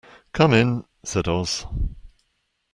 "Come in," said Oz.